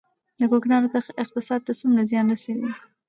د کوکنارو کښت اقتصاد ته څومره زیان رسوي؟